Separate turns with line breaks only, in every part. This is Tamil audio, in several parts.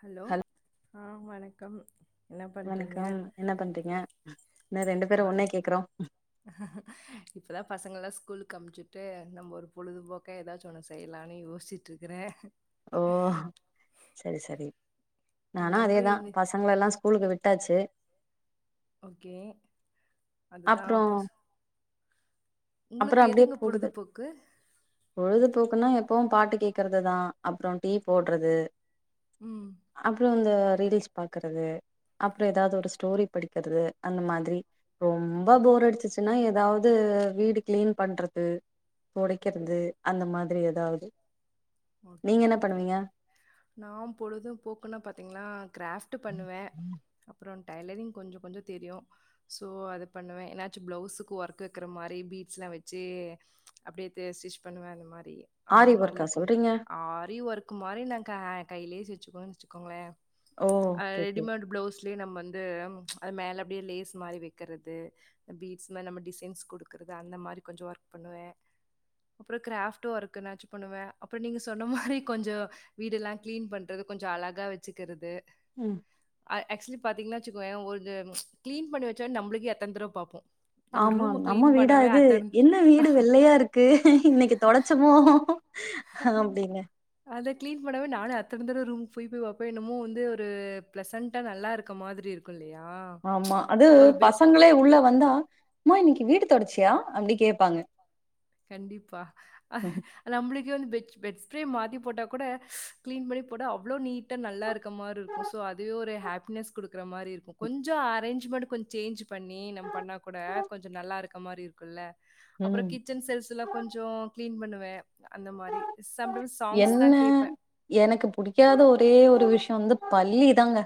ஹலோ ஆ வணக்கம் என்ன பண்றீங்க
வணக்கம் என்ன பண்றீங்க என்ன ரெண்டு பேரு ஒன்னே கேக்றோ
இப்பதாப் பசங்கள்லா ஸ்கூலுக்கு அமுச்சுட்டு நம்ம ஒரு பொழுதுபோக்கா எதாச்சு ஒன்ன செய்யலானு யோசிட் ட்ருகுறே
ஓ செரி செரி நானு
நம்பளு
அதேதா
இந்த
பச் சங்ளலெல்லா ஸ்கூலுக்கு விட்டாச்சு
ஓகே அதுதா
அப்றோ
புஸ் உங்ளுக்கு எதுங்க பொழுதுபோக்கு
பொழுதுபோக்குனா எப்பவும் பாட்டு கேக்கறதுதா அப்றோ டீப் போட்றது
ம்
அப்றோ இந்த ரீலிஸ் பாக்கறது அப்றோ எதாவ்து ஒரு ஸ்டோரி படிக்கிறது அந்த மாதிரி ரொம்ப போர் அடிச்சிச்சுன்னா எதாவ் து வீடு கிளீன் பண்றது தொடைக்கிறது அந்த மாதிரி எதாவ்து
ஓகே ஓகே நாம் பொழுதும் போக்குன்னப் பாத்தீங்னா கிராஃப்ட் ட்டு பண்ணுவே அப்றோ டைலரிங் கொஞ்சோ கொஞ்சோ தெரியு சோ அதுப் பண்ணுவே எனாச்சு ப்ளவுஸுக்கு ஒர்க்கு வெக்கிற மாரி பீட்ஸ்லா வெச்சி அப்டியே தே ஸ்டிச் பண்ணுவே அந்த மாரி அந்த
ஆரி ஒர்க்கா
மார்லா கொஞ்சோ
சொல்றீங்க
ஆரி ஒர்க்கு மாரி ஒரு நாங்கா கையிலே [unintelligible] வெச்சுக்கோங்ளே
ஓ
அ
ஓகே ஓகே
ரெடிமேடு பிளவுஸ்லியே நம்மந்து அது மேல அப்டியே லேஸ் மாரி வெக்கறது பீட்ஸ்மே நம்ம டிசைன்ஸ் குடுக்குறது அந்த மாரி கொஞ்சோ ஒர்க் பண்ணுவே அப்றோ கிராஃப்ட்டு ஒர்க்குனாச்சு பண்ணுவே அப் அப்பறோ நீங்க சொன்ன மாரி கொஞ்சோ வீடெல்லா கிளீன் பண்றது கொஞ்சோ அழகா வெச்சுக்கிறது
ம்
அ ஆக்சுலி பாத்தீங்கன்னா வச்சுக்கோயேன் ஒரு கிளீன் பன்னி வச்சா நம்மளுக்கு எத்தன் தடவ பாப்போம்
ஆமா நம்ம வீடா இது என்ன வீடு வெள்ளையா இருக்கு இன்னைக்கு தொடச்சமோ
ஆஹ்
அப்படின்னு
அத கிளீன் பண்ணவே நானு அத்தன தடவ ரூம் போய் போய் பாப்பேன் என்னமோ வந்து ஒரு பிளெசண்டா நல்லா இருக்க மாதிரிருக் க்குல்லயா
ஆமா அது பசங்களே உள்ள வந்தா அம்மா இன்னைக்கு வீடு தொடச்சியா அப்டி கேப்பாங்க
கண்டிப்பா நம்மளுக்கேந்து பெட்ச் பெட் ஸ்பிரே மாத்தி போட்டா கொட க்ளீன் பண்ணி போட்டா அவ்ளோ நீட்டா நல்லா இருக்க மாரு சோ அதே ஒரு ஹாப்பினஸ் குடுக்குற மாறி இருக்கும் கொஞ்சோ அரேஞ்மெண்ட் கொஞ் சேஞ்ச் பண்ணி நம் பண்ணா கொட கொஞ்ச நல்லா இருக்க மாறி இருக்குல்ல அப்றோ
ம்
கிட் ச்சன் செல்ஃப்ஸ் எல்லா கொஞ்சோம் கிளீன் பண்ணுவே அந்த மாறி சம்டைம்ஸ் சாங்ஸ் தா
என்ன
கேப்ப
எனக்கு புடிக்காத ஒரே ஒரு விஷயம் வந்து பல்லி தாங்க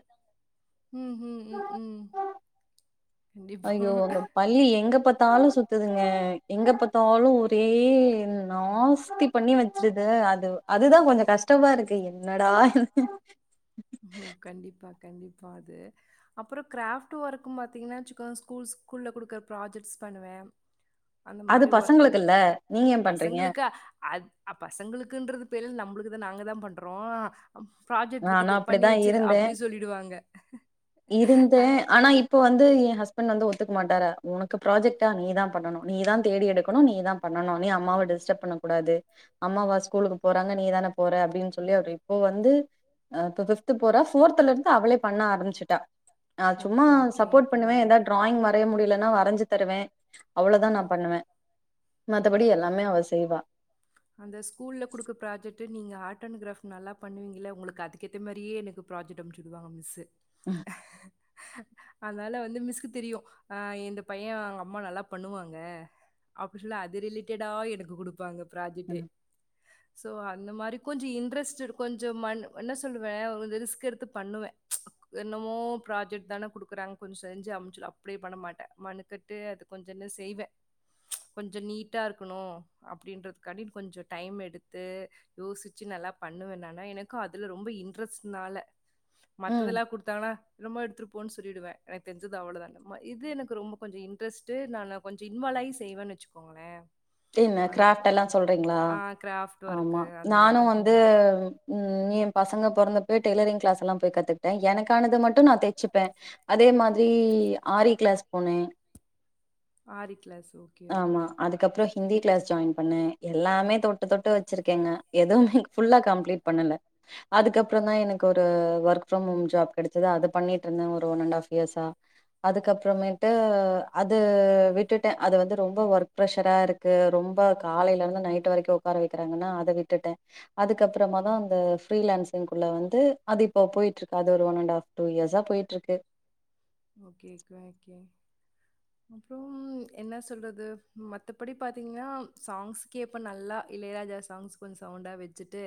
உம் உம் உம் உம்
ஐயோ அந்த பல்லி எங்க பாத்தாலும் சுத்துங்க எங்க பாத்தாலும் ஒரே நாஸ்தி பண்ணி வச்சடு அது அதுதா கொஞ்ச கஷ்டமாருக்கு என்னடா
ம் கண்டிப்பா கண்டிப்பா அது அப்பறோ கிராஃப்ட் ஒர்க்கும் பாத்தீங்கன்னா வச்சுக்க‌ ஸ்கூல் ஸ்கூல்ல குடுக்குற ப்ராஜெ்ட்ஸ் பண்ணுவ அந்த
அது
மாரி ஒர்க்
பசங்களுக்குல்ல நீங்க ஏன் பண்றீங்க
பசங்களுக்கு அ அ பசங்களுக்குன்றது பேரு நம்மளுக்குதா நாங்க தா பண்றோ ப்ராஜெக்ட் இருக்குது
நானும்
பண்ணி
அப்படிதான்
வச்சுரு
இருந்தேன்
அப்டி சொல்லிடுவாங்க
இப்போ வந்து ய ஹஸ்பண்ட் வந்து ஒத்துக்க மாட்டாரு ஒனக்கு ப்ராஜெக்டா நீ தா பண்ணணும் நீ தா தேடி எடுக்கணும் நீ தா பண்ணனும் நீ அம்மாவ டிஸ்டப் பண்ணக்க கூடாது அம்மாவா ஸ்கூலுக்கு போறாங்க நீ தான போற அப்டின் சொல்லி அவர் இப்போ வந்து அப்போ ஃப்து போறா ஃபோர்துலெந்து அவளே பண்ண ஆம்பிச்சிட்டா நா சும்மா
ஓகே, ஓகே.
சப்போர்ட் பண்ணுவ
பரவால்ல.
ஏதாது டிராயிங் வரைய முடியலன்னா வரஞ்சு தருவே அவ்ளோதா நா
ம்.
பண்ணுவ மத்தபடி
ஓகே.
எல்லாமே அவ செய்வா
அந்த ஸ்கூல்ல குடுக்க ப்ராஜெக்ட்டு நீ ஆர்ட்ண்ட் கிராஃப்ட் நல்லா பண்ணுவீங்கள உங்களுக்கு அதுக்கேத்த மாரியே எனக்கு ப்ராஜெக்ட்டு அமுச்சுடுவாங்க மிஸ்சு
ம்
அதனால வந்து மிஸ்க்கு தெரியு அ இந்த பைய அவங்க அம்மா நல்லா பண்ணுவாங்க அப்ப சொல்ல அது ரிலேட்டடா எனக்கு குடுப்பாங்க ப்ராஜெட்டு
ம்.
சோ அந்த மாறி கொஞ்சோ இன்ட்ரெஸ்ட் கொஞ்சோ மண் என்ன சொல்லுவ ரிஸ்க் எடுத்து பண்ணுவ என்னமோ ப்ராஜெக்ட் தான குடுக்குறாங்க கொஞ்ச செஞ்சு அமுச்சல அப்டி பண்ணமாட்டேன் மனுக்கட்டு அது கொஞ்ச என்ன செய்வ கொஞ்ச நீட்டா இருக்கணு அப்டின்றதுக்காண்டி கொஞ்ச டைம் எடுத்து யோசிச்சு நல்லா பண்ணுவேனனா எனக்கு அதுல ரொம்ப இன்ட்ரெஸ்ட்னால
ம்.
மத்தெல்லா குடுத் தானா என்னமோ எடுத்துட்டு போ சொல்லிடுவ எனக்கு தெரிஞ்சது அவ்ளதா இது எனக்கு ரொம்ப கொஞ்ச இன்டரெஸ்ட் நானா கொஞ்ச இன்வால் ஆயி செய்வ வச்சுக்கோங்களே
என்ன கிராப்ட் எல்லா சொல்றீங்ளா
கிராஃப்ட்
ஆமா
ஒர்க்கு அந்த மாரிலா
நானும் வந்து
கொஞ்சோ
உம் ய பசங்க பொறந்த போய் டெய்லரிங் கிளாஸ் எல்லா போய் கத்துக்கிட்ட எனக்கானத மட்டு நா தச்சுப்பே அதே மாதிரி ஆரி கிளாஸ் போனே
ஆரி கிளாஸ் ஓ
ஆமா அதுக்கப்பறம் ஹிந்தி கிளாஸ் ஜாயின் பண்ணே எல்லாமே தொட்டு தொட்டு வச்சிருக்கேங்க எதுவுமே ஃபுல்லா கம்ப்ளீட் பண்ணல அதுக்கப்புறம் தா எனக்கு ஒரு ஒர்க் ஒர்க் ப்ரம் ஹோம் கிடைச்சது அது பண்ணிட்டு இருந்த ஒரு ஒன்ண்ட் ஆஃப் இயர்சா அதுக்கப்றமேட்டு அது விட்டுட்டே அது வந்து ரொம்ப ஒர்க் ப்ரெஷரா இருக்கு ரொம்ப காலையில இருந்து நைட் வரைக்கு உக்கார வைக்கிறாங்கன்னா அத விட்டுட்டே அதுக்கப்பறமாதா அந்த ஃப்ரீலான்சிங்பிள்ள வந்து அது இப்போ பொயிட்ருக்கு அது ஒரு ஒன் அண்ட் ஹாப் டூ இயர்ஸா பொயிட்டுருக்கு
ஓகே ஓகே அப்றோ என்ன சொல்றது மத்தபடி பாத்திங்கன்னா சாங்ஸ்கேப்ப நல்லா இளையராஜாஸ் சாங்ஸ் கொஞ்சோ சவுண்டா வச்சுட்டு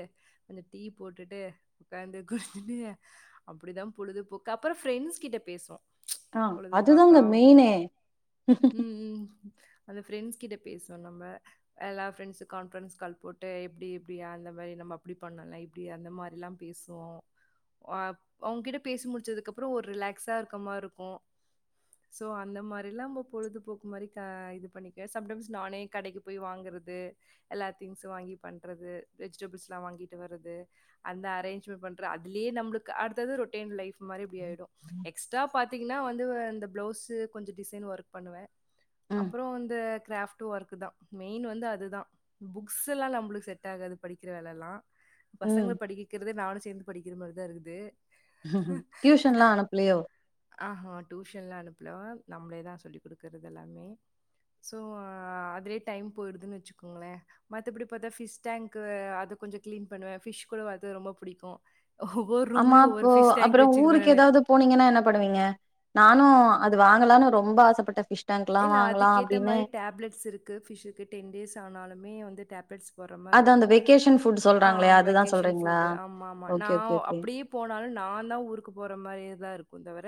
கொஞ்சோ டீ போட்டுட்டு உக்காந்து குடுத்துனு அப்டிதா பொழுதுபோக்கு அப்றோ ஃப்ரெண்ட்ஸ் கிட்ட பேசுவோ
அ
பொழுதுபோக்கா
அதுதாங்க மெயினே
ம் ம் அந்த ஃப்ரெண்ட்ஸ் கிட்ட பேசுவோ நம்ம எல்லா ஃப்ரெண்ட்ஸு கான்ஃப்ரன்ஸ் கால் போட்டு எப்டி இப்டியா அந்த மாரி நம்ம அப்டி பண்லா அப்டி அந்த மாதிரில்லா பேசுவோ உங்ககிட்ட பேசி முடிச்சதுக்கு அப்றோ ஒரு ரிலாக்சா இருக்க மார்ருக்கு சோ அந்த மாரி எல்லாமே பொழுதுபோக்கு மாரி தா இது பண்ணிக்க சம்டைம்ஸ் நானே கடைக்கு போய் வாங்குறது எல்லா திங்ஸு வாங்கி பண்றது வெஜிடபிள்ஸ்ல்லா வாங்கிட்டு வர்றது அந்த அரேஞ்மெண்ட் பண்ற அதுலியே நம்ளுக்கு அடுத்தது ரொட்டீன் லைஃப் மாறி அப்டி ஆய்டு எக்ஸ்ட்ரா பாத்திங்ன்னா வந்து இந்த பிளவுஸ்ஸூ கொஞ்சோ டிசைன் ஒர்க் பண்ணுவே
ம்
அப்றோ இந்த ஃகிராப்ட் டூ ஒர்க்தா மெயின் வந்து அதுதா புக்ஸ்ல்லா நம்ளுக்கு செட் ஆகாது படிக்கிற வேலல்லா
ம்
பசங்ளடிக்க வைக்றத நானு சேந்து படிக்கிற மாரிதா இருக்குது
ம் டியூஷன்ல்லா அனுப்லியோ
ஆஹ டியூஷன்ல்லா அனுப்புல நம்ளேதா சொல்லி குடுக்கற்து எல்லாமே சோ அதுலியே டைம் பொயிடுதுன்னு வச்சுக்கோங்ளே மத்தபடி பாத்தா பிஷ் டேங்க்கு அது கொஞ்சோ க்ளீன் பண்ணுவே பிஷ் கூட அது ரொம்ப புடிக்கு ஓ ஒவ்வொரு
ஆமா
ரூம்லியு ஒவ்வொரு
அப்போ
ஃபிஷ டேங்க்கு
அப்புறோ
வச்சுக்குவே
ஊருக்கு
நானு
ஏதாவது போனீங்கன்னா என்ன பண்ணுவீங்க நானு அது வாங்கலானு ரொம்ப ஆசைப்பட்ட ஃபிஷ் டேங்க்லா
இல்ல
வாங்கலா
அதுக்கேத்த
அப்டின்னு
மாரி டேப்லட்ஸ் இருக்கு ஃபிஷ்க்கு டென் டேஸ் ஆனாலும்மே வந்து டேப்லெட்ஸ் போற மாரி
அது
இருக்கு
அந்த வெக்கேஷன் ஃபுட்
அ
சொல்றாங்களே அதுதா
வெக்கேஷன்
சொல்றீங்களா
புட் ஆமா ஆம் நா
ஓகே ஓகே ஓகே
அப்டியே போனாலு நா தா ஊருக்கு போறமாரியே இருக்கு தவிர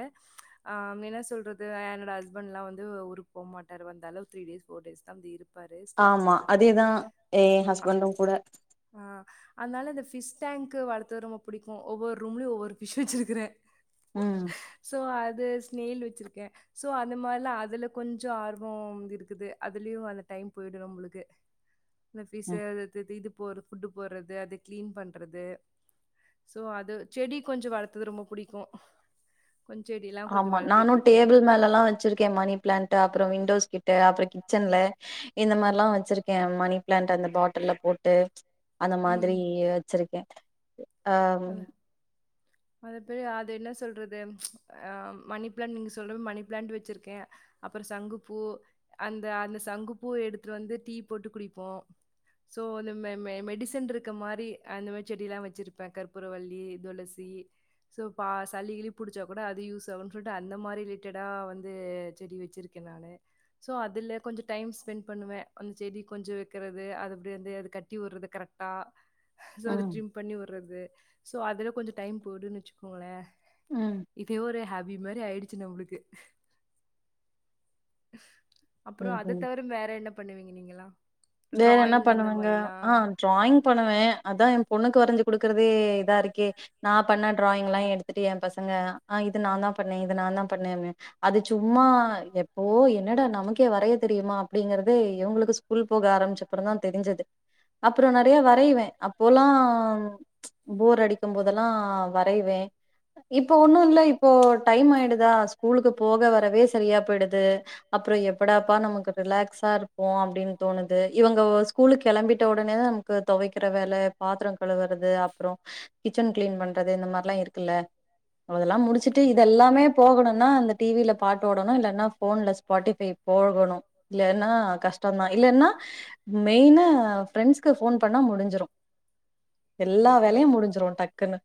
அ என்ன சொல்றது என்னோட ஹஸ்பண்ட்ல்லா வந்து ஊருக்கு போகமாட்டார் வந்தாலு த்ரீ டேஸ் போர் டேஸ்தா இரு
ஆமா அதேதா எ
அ
ஹஸ்பண்டு கூட
ஆ அதனால அந்த ஃபிஷ் டேங்க்கு வளத்ரது ரொம்ப புடிக்கு ஒவ்வொரு ரூம்லியு ஒவ்வொரு ஃபிஷ் வச்சிருக்குற
ம்
சோ அது சினேல் வச்சிருக்கே சோ அந்த மாரிலா அதுல கொஞ்சோ ஆர்வோ இருக்குது அதுலியு அந்த டைம் பொயிடு நம்மளுக்கு இந்த ஃபிஸ்சு
ம்
இது து போட்றது புட்டு போட்றது அத க்ளீன் பண்றது சோ அது செடி கொஞ்சோ வளர்துரது ரொம்ப புடிக்கு கொஞ் சொடில்லா
ஆமா நானு டேபிள் மேலல்லா வச்சிருக்கே மணி பிளண்ட் அப்றோ விண்டோஸ் கிட்ட அப்றோ கிச்சன்ல இந்த மாரிலா வச்சிருக்கே மணி பிளாண்ட் அந்த பாட்டில்ல போட்டு அந்த மாதிரி
ம்.
வச்சிருக்கே அம்
அ பெ அது என்ன சொல்றது அ மணி பிளாண்ட் நீங்க சொல்ற மணி பிளாண்ட் வச்சிருக்கே அப்றோ சங்குப்பூ அந்த அந்த சங்குப்பூ எடுத்துட்டு வந்து டீ போட்டு குடிப்போ சோ இந்த மெ மெ மெடிசன் இருக்க மாரி அந்த மாரி செடிலாம் வச்சிரு ப்பே கற்பூரவள்ளி துளசி ஸோ பா சளி கிளி புடிச்சா கூட அது யூஸ் ஆகுன் சொல்ட்டு அந்த மாரி ரிலேட்டடா வந்து செடி வச்சிரு க்கே நானு ஸோ அதுல கொஞ்ச டைம் ஸ்பெண்ட் பண்ணுவே அந்த செடி கொஞ்ச வைக்கிறது அது அப்டி வந்து அது கட்டிவிட்றது கரெக்ட் டா சோ அது
ம்
ட்ரிம்ப் பண்ணி உட்றது சோ அதுல கொஞ்ச டைம் போய்டுன் வச்சுக்கோங்களே
ம்
இதே ஒரு ஹாப் பி மாரி ஆயிடுச்சு நம்ளுக்கு அப்புற
ம்
அத
ம்
தவிர வேற என்ன பண்ணுவீங்க நீங்களா
வேற என்ன பண்ணுவங்க ஆ டிராயிங் பண்ணுவே அதா எ பொண்ணுக்கு வரஞ்சி குடுக்கறதே இதா இருக்கே நா பண்ண டிராயிங் எல்லா எடுத்துட்டு எ பசங்க ஆ இது நா தா பண்ணே இது நா தா பண்ண அது சும்மா எப்போ என்னடா நமக்கே வரைய தெரியுமா அப்டிங்கறத இவுங்களுக்கு ஸ்கூல் போக ஆரம்பிச்சப்புற தா தெரிஞ்சது அப்புறோ நறைய வரைவே அப்பொல்லா போர் அடிக்கும் போதெல்லா வரைவே இப்போ ஒன்னு இல்ல இப்போ டைம் ஆயிடுதா ஸ்கூலுக்கு போக வரவே சரியா போயிடுது அப்புற எப்படப்பா நமக்கு ரிலாக்ஸா இருக்கு அப்டின் தோணுது இவுங்க ஸ்கூலுக் கெளம்பிட்ட உடனே தா நமக்கு துவைக்கிற வேல பாத்ரோ கழுவுறது அப்றோ கிச்சன் கிளீன் பண்றது இந்த மார்லா இருக்குல்ல அதெல்லா முடிச்சுட்டு இத
கண்டிப்பாக
எல்லாமே போகணுனா இந்த டிவியில பாட்டு ஓடணு இல்லன்னா போன்ல ஸ்பாட்டிஃபைவ் போகணு இல்லன்னா கஷ்டந்தா இல்லன்னா மெயின்னா ஃபிரெண்ட்ஸ்க்கு போன் பண்ணா முடிஞ்சிரு எல்லா
ஓகே
வேலையு
ஓகே
முடிஞ்சிரு டக்குன்னு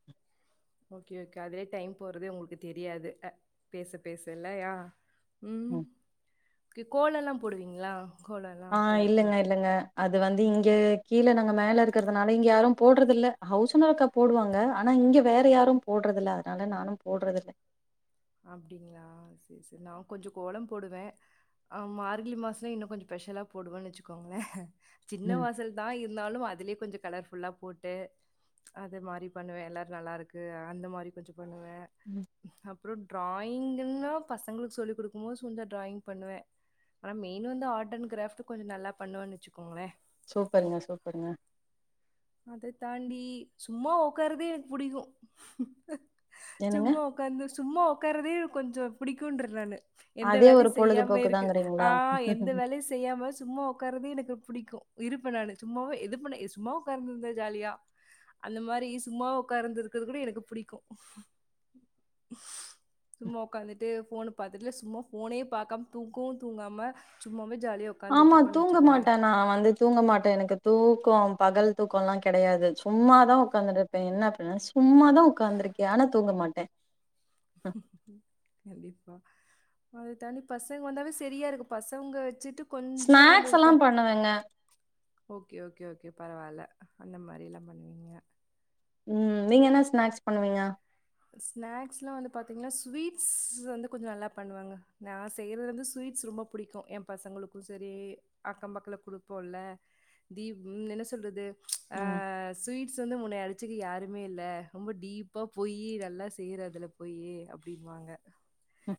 ஓகே ஓகே அதுலே டைம் போறது உங்களுக் தெரியாது பேச பேசல்லயா ம் கோல்லல்லா போடுவீங்ளா
ஆ இல்லங்க இல்லங்க அது வந்து இங்க கீழ நாங்க மேல இருக்கறதுனால இங்க யாரு போட்றது இல்ல ஹவுஸ் ஓனர் அக்கா போடுவாங்க ஆனா இங்கே வேற யாரு போட்றதில்ல அதனால நானு போட்றதில்ல
அப்டிங்ளா சேர் சேர் நா கொஞ்ச கோலம் போடுவே ஆ மார்கழி மாசோ இன்னு கொஞ்சோ ஸ்பெஷலா போடுவேன்னு வச்சுக்கோங்ளே சின்ன
ம்
வாசல் தா இருந்தாலு அதுலே கொஞ்ச கலர்ஃபுல்லா போட்டு அது மாரி பண்ணுவ எல்லாரு நல்லா இருக்கு அந்த மாரி கொஞ்ச பண்ணுவே
ம்
அப்றோ ட்ராயிங்கன்னா பசங்ளுக்கு சொல்லிக் குடுக்கும் போது கொஞ்ச டிராயிங் பண்ணுவே ஆனா மெயின் வந்து ஆட் அண்ட் கிராப்ட் கொஞ்ச நல்ல பண்ணுவேன் வச்சுகோங்ளே
சூப்பருங்க சூப்பருங்க
அத தாண்டி சும்மா உக்காரதே எனக்கு புடிக்கு
என்னங்க
சும்மா உக்காந்து சும்மா உக்கறதே கொஞ்சோ புடிக்குன்ற நானு எந்த
அதே
வேலையு
ஒரு
செய்யாமே இருக்கு ஆ
பொழுதுபோக்குதாங்கறீங்களா
எந்த வேலையு செய் செய்யாமா சும்மா உக்காறதே எனக்கு புடிக்கு இருப்ப நானு சும்மாவே எது பண்ண சும்மா உட்காந்து இருந்த ஜாலியா அந்த மாரி சும்மா உட்காந்து இருக்கது கூட எனக்கு புடிக்கு சும்மா உக்காந்துட்டு போன் பாத்துட்டுல சும்மா போனே பாக்காம தூங்கவு தூங்காம சும்மாவே ஜாலியா
ஆமா தூங்க மாட்ட நா வந்து தூங்க மாட்ட எனக்கு தூக்கோ பகல் தூக்கோலா கெடையாது சும்மாதா உக்காந்துருப்பே என்ன அப்ப சும்மாதா உக்காந்துருக்கே ஆனா தூங்க மாட்டே
கண்டிப்பா அது தனி பசங்க வந்தாவே செரியா இருக்கு பசங்க வெச்சுட்டு கொஞ்ச
ஸ்நாக்ஸ் எல்லா
நம்பகிட்ட
பண்ணுவேங்க
ஓகே ஓகே ஓகே பரவாயில்ல அந்த மாரி எல்லா பண்ணுவீங்க
ம் நீங்க என்ன ஸ்நாக்ஸ் பண்ணுவீங்க
ஸ்நாக்ஸ்லா வந்து பாத்தீங்கன்னா ஸ்வீட்ஸ் வந்து கொஞ்ச நல்லா பண்ணுவங்க நா செய்றது வந்து ஸ்வீட்ஸ் ரொம்ப புடிக்கு ஏ பசங்களுக்கு செரி அக்கம் பக்கல குடுப்போல்ல தீவ் என்ன சொல்றது ஆ
ம்
ஸ்வீட்ஸ் வந்து உன்ன அடிச்சுக்கு யாருமே இல்ல ரொம்ப டீப்பா போயி கி நல்லா செய்யற அதுல போயி அப்டின்வாங்க
ம்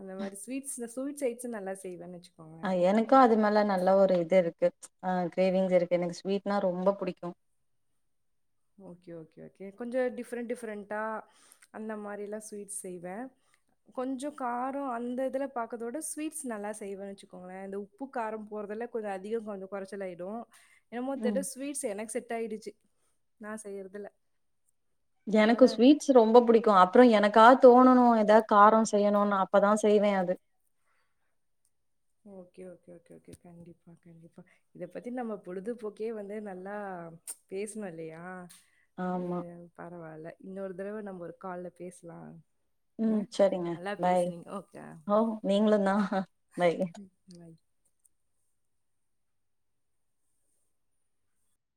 அந்த மாரி ஸ்வீட்ஸ் ஸ்வீட்ஸ் ஐட்டேட்ஸ் நல்லா செய்வேனு வெச்சுக்கோங்க
ஆ எனக்கு அது மேல நல்ல ஒரு இது இருக்கு ஆ கிரேவிங்ஸ் இருக்கு எனக்கு ஸ்வீட்னா ரொம்ப புடிக்கு
ஓகே ஓகே ஓகே கொஞ்ச டிஃப்ரெண்ட் டிஃப்ரெண்ட்டா அந்த மாறில்லா ஸ்வீட்ஸ் செய்வே கொஞ்சோ காரோ அந்த இதுல பாக்கதோட ஸ்வீட்ஸ் நல்லா செய்வனு வெச்சுக்கோங்களே இந்த உப் உப்பு காரம் போட்றதல கொஞ்ச அதிகோ கொஞ்ச கொறச்சலாயிடு என்னமோ
ம்
தெரியல ஸ்வீட்ஸ் எனக்கு செட் ஆயிடுச்சு நா செய்யறதுல
எனக்கு
அதனால
ஸ்வீட் ரொம்ப புடிக்கு அப்றோ எனக்கா தோனணு எதா காரோ செய்யணுனு அப்பதா செய்வே அது
ஓகே ஓகே ஓகே ஓகே கண்டிப்பா கண்டிப்பா இத பத்தி நம்ம பொழுதுபோக்கே வந்து நல்லா பேசுணோ இல்லயா அது
ஆமா
பரவாயில்ல இன்னொரு தடவ நம்ம ஒரு கால்ல பேசலா ஆ
ம்
நல்லா பேசுனீங்க ஓகே
நீங்களுந்தா பாய்
[unintelligible]